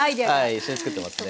一緒に作ってますので。